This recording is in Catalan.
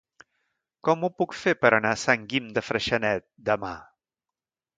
Com ho puc fer per anar a Sant Guim de Freixenet demà?